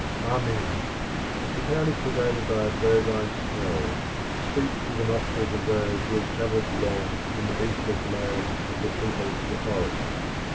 Amen!). The town is pervaded by a bovine smell, sweet to the nostrils of those who have travelled long in the beefless lands of the people of the forest.